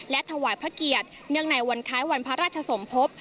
และถวายพระเกียรติเนื่องในวันคล้ายวันพระราชสมภพ